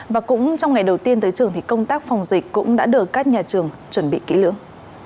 và cũng trong ngày đầu tiên tới trường thì công tác phòng dịch cũng đã được các nhà trường chuẩn bị kỹ lưỡng